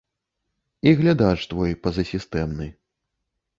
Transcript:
І глядач твой пазасістэмны.